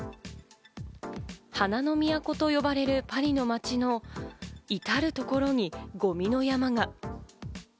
花の都と呼ばれるパリの街のいたるところにゴミの山が。